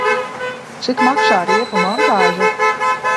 Cik maksā riepu montāža?